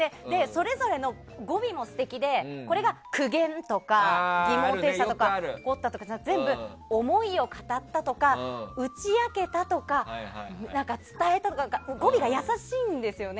それぞれの語尾も素敵でこれが苦言とか疑問を呈したとかじゃなく全部思いを語ったとか打ち明けたとか伝えたとか語尾が優しいんですよね。